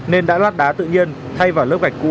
nên đã loát đá tự nhiên thay vào lớp gạch cũ